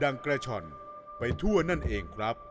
กระช่อนไปทั่วนั่นเองครับ